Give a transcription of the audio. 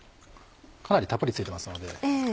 かなりたっぷり付いてますので。